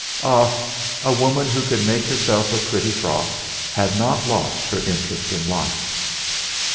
Ah! A woman who could make herself a pretty frock had not lost her interest in life.